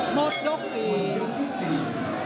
หมดยกสี่